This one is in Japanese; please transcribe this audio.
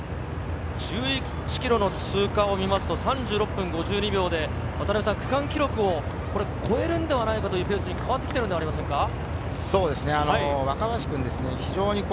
１１ｋｍの通過を見ますと３６分５２秒で渡辺さん、区間記録をこれ超えるんではないかというペースに変わってきたんではありませんか？